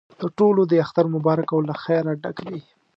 د ټولو دې اختر مبارک او له خیره ډک وي.